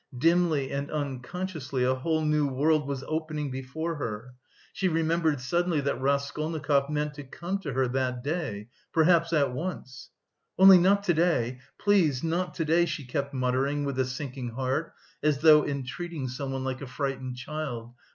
Dimly and unconsciously a whole new world was opening before her. She remembered suddenly that Raskolnikov meant to come to her that day, perhaps at once! "Only not to day, please, not to day!" she kept muttering with a sinking heart, as though entreating someone, like a frightened child.